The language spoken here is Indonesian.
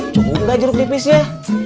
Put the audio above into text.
cukup gak jeruk nipisnya